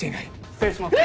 失礼します